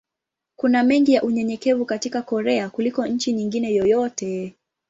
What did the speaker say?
Kuna mengi ya unyenyekevu katika Korea kuliko nchi nyingine yoyote.